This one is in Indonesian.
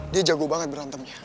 dia jago banget berantemnya